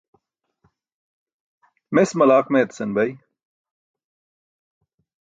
Mes malaaq meetasan bay.